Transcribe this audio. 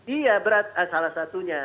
iya salah satunya